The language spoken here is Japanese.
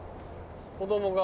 子供が。